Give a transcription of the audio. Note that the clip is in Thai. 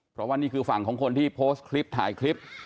เพราะว่านี่คือฝั่งของคนที่โพสต์คลิปถ่ายคลิป